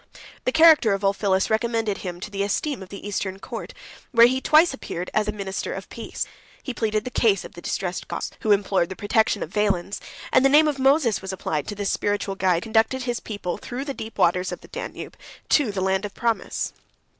The character of Ulphilas recommended him to the esteem of the Eastern court, where he twice appeared as the minister of peace; he pleaded the cause of the distressed Goths, who implored the protection of Valens; and the name of Moses was applied to this spiritual guide, who conducted his people through the deep waters of the Danube to the Land of Promise.